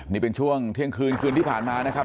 นี่เป็นช่วงเที่ยงคืนคืนที่ผ่านมานะครับ